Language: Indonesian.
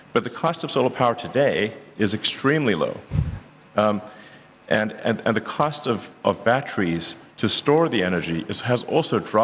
bukan pemerintah yang berkembang tentu saja